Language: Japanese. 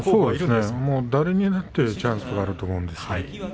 誰にだってチャンスはあると思うんです。